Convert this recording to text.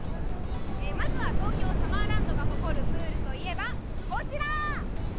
まずは、東京サマーランドが誇るプールといえば、こちら！